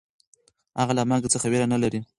هغه له مرګ څخه وېره نهلري.